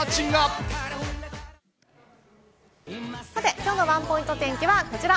きょうのワンポイント天気はこちら。